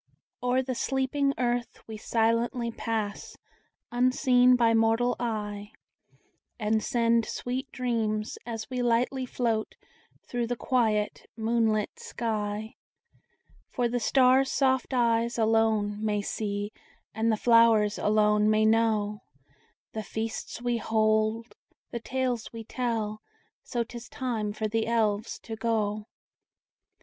O'er the sleeping earth we silently pass, Unseen by mortal eye, And send sweet dreams, as we lightly float Through the quiet moonlit sky;— For the stars' soft eyes alone may see, And the flowers alone may know, The feasts we hold, the tales we tell: So 't is time for the Elves to go.